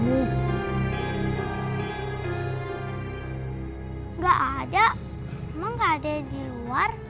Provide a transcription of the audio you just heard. emang gak ada di luar